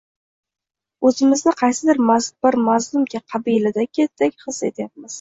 o‘zimizni qaysidir bir mazlum qabiladek his etyapmiz